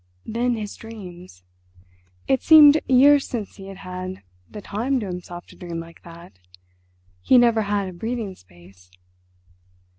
then his dreams! It seemed years since he had had the time to himself to dream like that—he never had a breathing space.